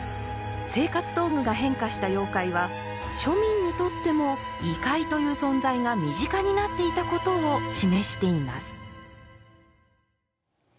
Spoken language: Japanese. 生活道具が変化した妖怪は庶民にとっても異界という存在が身近になっていたことを示しています。